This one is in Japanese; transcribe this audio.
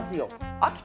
秋田